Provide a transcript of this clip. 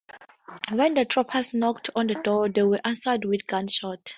When the troopers knocked on the door, they were answered with gunshots.